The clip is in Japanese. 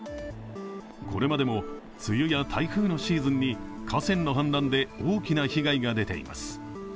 これまでも、梅雨や台風のシーズンに河川の氾濫で大きな被害が出ています。